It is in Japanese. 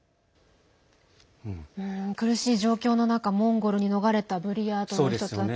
苦しい状況の中モンゴルに逃れたブリヤートの人たち。